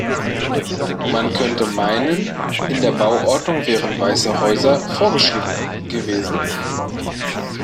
Man könnte meinen, in der Bauordnung wären weiße Häuser vorgeschrieben gewesen.